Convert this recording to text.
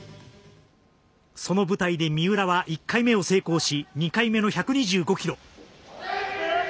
その舞台で三浦は１回目を成功し２回目の１２５キロ。